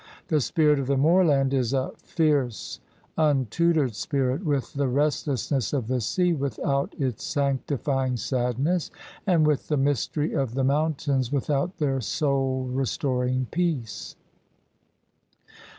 The spirit of the moorland is a fierce, untutored spirit, with the restlessness of the sea with out its sanctifying sadness, and with the mystery of the mountains without their soul restoring peace.